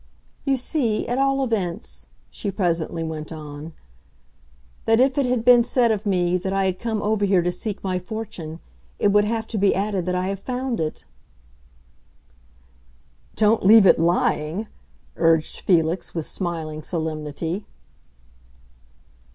"You see, at all events," she presently went on, "that if it had been said of me that I had come over here to seek my fortune it would have to be added that I have found it!" "Don't leave it lying!" urged Felix, with smiling solemnity.